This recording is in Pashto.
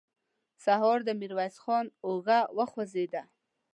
سهار د ميرويس خان اوږه وخوځېده.